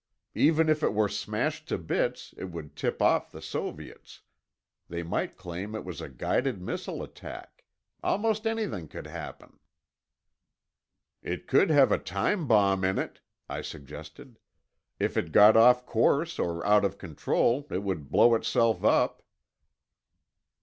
Even if it were I smashed to bits, it would tip off the Soviets. They might claim it was a guided missile attack. Almost anything could hap pen." "It could have a time bomb in it," I suggested. "if it got off course or out of control, it would blow itself up."